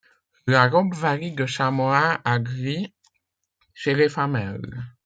La robe varie de chamois à gris chez les femelles.